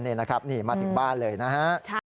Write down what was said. นี่มาถึงบ้านเลยนะครับ